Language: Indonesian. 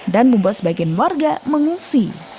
dan membuat sebagian warga mengungsi